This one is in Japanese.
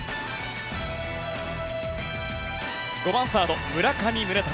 ５番サード、村上宗隆。